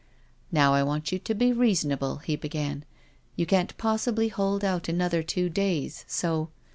" Now I want you to be reasonable," he began. " You can't possibly hold out another two days, so